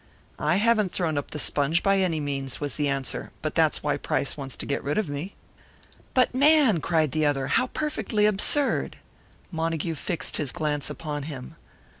"I haven't thrown up the sponge, by any means," was the answer. "But that's why Price wants to get rid of me." "But, man!" cried the other. "How perfectly absurd!" Montague fixed his glance upon him.